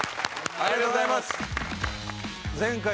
ありがとうございます。